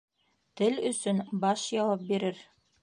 Тел өсөн баш яуап бирер.